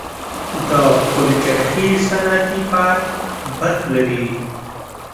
د پلچرخي صنعتي پارک برق لري؟